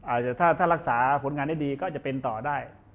อาจจะถ้ารักษาผลงานได้ดีก็จะเป็นต่อได้